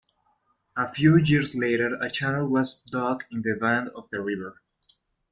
A few years later, a channel was dug in the bend of the river.